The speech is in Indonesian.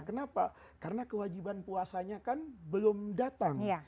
kenapa karena kewajiban puasanya kan belum datang